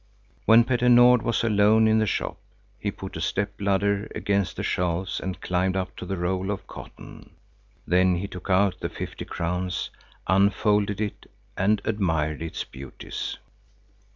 When Petter Nord was alone in the shop, he put a step ladder against the shelves and climbed up to the roll of cotton. Then he took out the fifty crowns, unfolded it and admired its beauties.